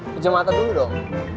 kejam mata dulu dong